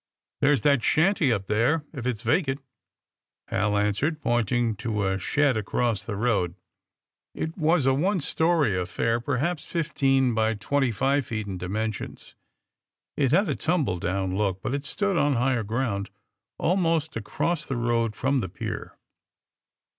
^'There's that shanty up there, if it's vacant," Hal answered, pointing to a shed across the 78 THE SUBMARINE BOYS road. It was a one story affair, perhaps fifteen by twenty five feet in dimensions. It had a tumble down look, but it stood on higher gronnd almost across the road from the pier.